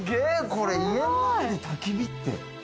これ、家の中でたき火って。